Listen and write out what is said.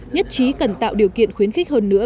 nhất trí cần tạo điều kiện khuyến khích hơn nữa